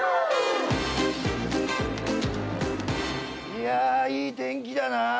いやいい天気だな。